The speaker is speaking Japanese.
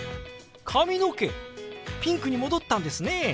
髪の毛ピンクに戻ったんですね！